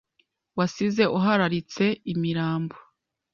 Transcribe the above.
Wasize uhararitse imirambo